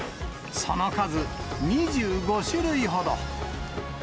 その数、２５種類ほど。